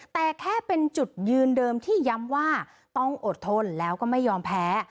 แต่แค่เป็นจุดยืนเดิมที่ย้ำว่าต้องอดทนแล้วก็ไม่ยอมแพ้